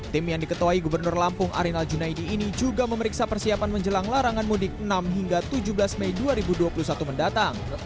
tim yang diketuai gubernur lampung arinal junaidi ini juga memeriksa persiapan menjelang larangan mudik enam hingga tujuh belas mei dua ribu dua puluh satu mendatang